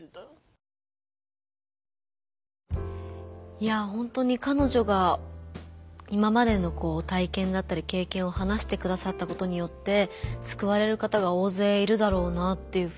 いや本当に彼女が今までの体験だったり経験を話してくださったことによってすくわれる方が大勢いるだろうなっていうふうに思いました。